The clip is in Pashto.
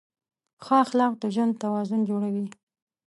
ښه اخلاق د ژوند توازن جوړوي.